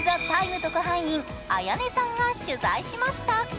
特派員、あやねさんが取材しました。